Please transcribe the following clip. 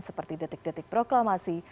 seperti detik detik proklamasi